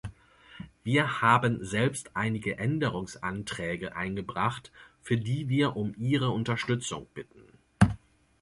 Wir haben selbst einige Änderungsanträge eingebracht, für die wir um Ihre Unterstützung bitten.